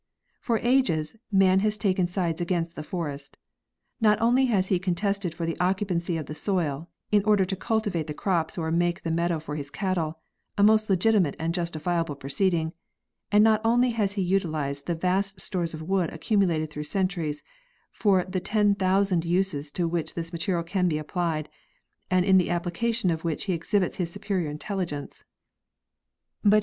For ages man has taken sides against the forest. Not only has he contested for the occupancy of the soil, in order to cultivate his crops or to make the meadow for his cattle—a most legitimate and justifiable proceeding,—and not only has he utilized the vast stores of wood accumulated through centuries, for the ten thou 'sand uses to which this material can be applied, and in the ap plication of which he exhibits his superior intelligence, but he 142 B. BE. Fernow—The Battle of the Forest.